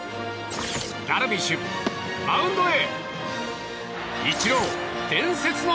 ダルビッシュ、マウンドへ。